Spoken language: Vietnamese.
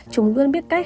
chúng luôn biết cách